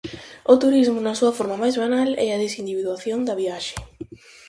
O turismo, na súa forma máis banal, é a desindividuación da viaxe.